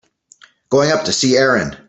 Going up to see Erin.